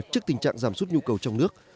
trước tình trạng giảm sút nhu cầu trong nước